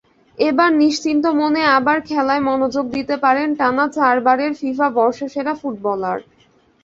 এবার নিশ্চিন্ত মনে আবার খেলায় মনোযোগ দিতে পারেন টানা চারবারের ফিফা বর্ষসেরা ফুটবলার।